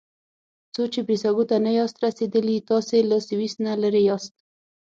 څو چې بریساګو ته نه یاست رسیدلي تاسي له سویس نه لرې یاست.